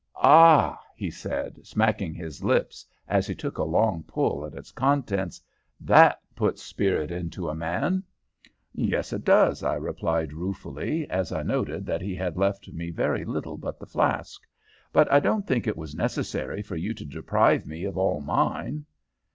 "Ah!" he said, smacking his lips as he took a long pull at its contents, "that puts spirit into a man." "Yes, it does," I replied, ruefully, as I noted that he had left me very little but the flask; "but I don't think it was necessary for you to deprive me of all mine."